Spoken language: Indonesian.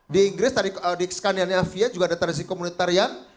di inggris di skandianiavia juga ada tradisi komunitarian